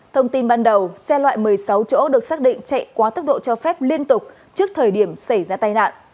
thông tin ban đầu xe loại một mươi sáu chỗ được xác định chạy quá tốc độ cho phép liên tục trước thời điểm xảy ra tai nạn